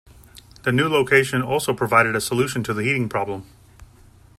The new location also provided a solution to the heating problem.